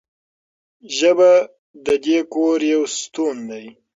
ژبه د دې کور یو ستون دی.